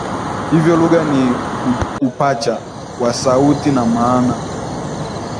Hivyo lugha ni upacha wa sauti na maana